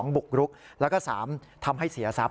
บุกรุกแล้วก็๓ทำให้เสียทรัพย